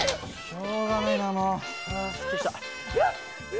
しょうがねぇなもう。